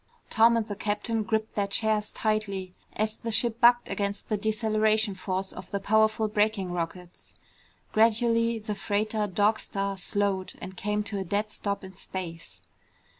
Tom and the captain gripped their chairs tightly as the ship bucked against the deceleration force of the powerful braking rockets. Gradually the freighter Dog Star slowed and came to a dead stop in space.